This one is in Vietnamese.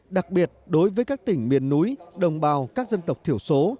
đặc biệt đối với các tỉnh miền núi đồng bào các dân tộc thiểu số